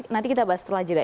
nanti kita bahas setelah jeda